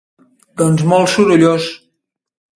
Doncs molt sorollós.